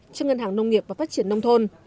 cho ngân hàng nông nghiệp và phát triển nông thôn